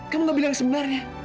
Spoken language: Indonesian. kamu gak bilang sebenarnya